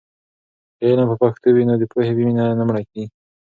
که علم په پښتو وي، نو د پوهې مینه نه مړه کېږي.